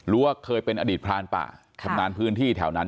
ว่าเคยเป็นอดีตพรานป่าชำนาญพื้นที่แถวนั้น